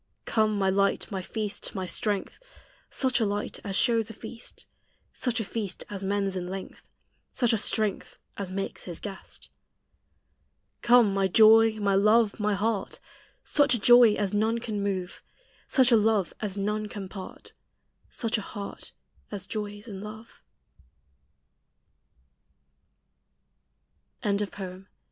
Come my light, my feast, my strength Such a light as shows a feast; Such a feast as mends in length; Such a strength as makes His guest. Come my joy, my love, my heart! Such a joy as none can move; Such a love as none can part; Such a heart as joys in love. GEORGE HERBERT.